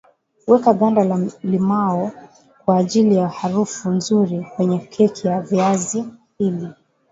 Weka ganda la limao kwa ajili ya harufu nzuri kwenye keki ya viazi li